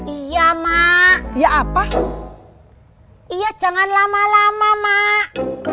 iya jangan lama lama mak